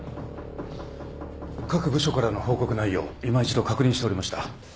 各部署からの報告内容をいま一度確認しておりました。